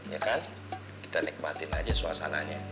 ya kan kita nikmatin aja suasananya